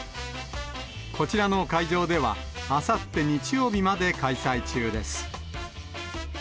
こちらの会場では、あさって日曜日まで開催中です。